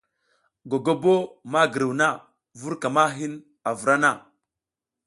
Gogobo ma giruw na, vur ka ma hin a vra na.